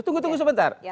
tunggu tunggu sebentar